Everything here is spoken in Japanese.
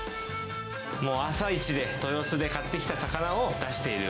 もう朝一で、豊洲で買ってきた魚を出している。